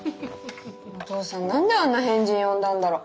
お父さん何であんな変人呼んだんだろう。